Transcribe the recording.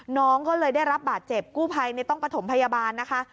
น้องก็เลยได้รับบาดเจ็บกู้ภัยต้องประถมพยาบาลนะคะ